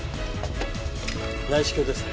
内視鏡ですね。